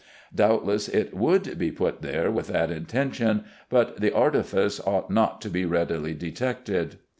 Doubtless it would be put there with that intention, but the artifice ought not to be readily detected.